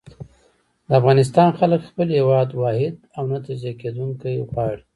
د افغانستان خلک خپل هېواد واحد او نه تجزيه کېدونکی غواړي.